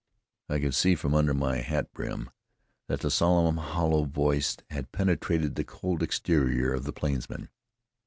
I could see from under my hat brim that the solemn, hollow voice had penetrated the cold exterior of the plainsman.